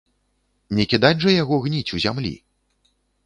Не кідаць жа яго гніць у зямлі?